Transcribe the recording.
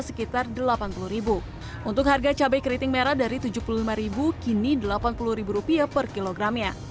sekitar delapan puluh untuk harga cabai keriting merah dari tujuh puluh lima kini delapan puluh rupiah per kilogramnya